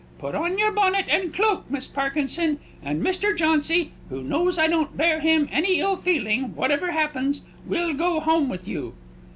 Put on your bonnet and cloak, Miss Parkinson, and Mr. Jauncy (who knows I don't bear him any ill feeling, whatever happens) will go home with you."